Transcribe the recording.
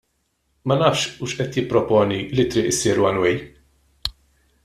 Ma nafx hux qed jipproponi li t-triq issir one way.